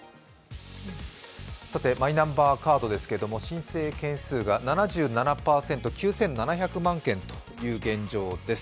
マイナンバーカードですけど申請件数が７９％９７００万件という現状です。